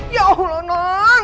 ya allah non